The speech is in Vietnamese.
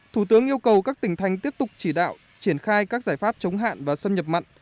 thủ tướng yêu cầu các tỉnh thành tiếp tục chỉ đạo triển khai các giải pháp chống hạn và xâm nhập mặn